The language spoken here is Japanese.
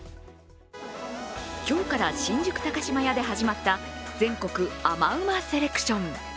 今日から新宿高島屋で始まった全国あまうまセレクション。